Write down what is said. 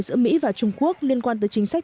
giữa mỹ và trung quốc liên quan tới chính sách